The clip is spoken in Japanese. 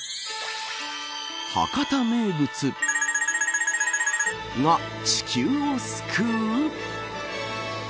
博多名物が地球を救う。